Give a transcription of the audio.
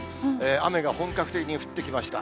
雨が本格的に降ってきました。